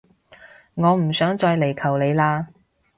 我唔想再嚟求你喇